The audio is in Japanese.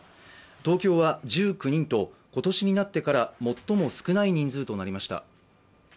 東京は１９人と、今年になってから最も少ない人数となりました。